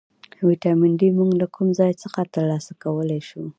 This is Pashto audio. ویټامین ډي موږ له کوم ځای څخه ترلاسه کولی شو